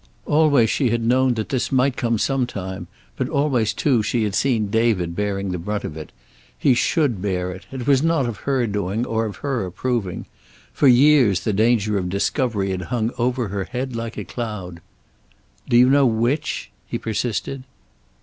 Always she had known that this might come some time, but always too she had seen David bearing the brunt of it. He should bear it. It was not of her doing or of her approving. For years the danger of discovery had hung over her like a cloud. "Do you know which?" he persisted.